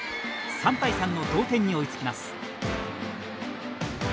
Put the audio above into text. ３対３の同点に追いつきます。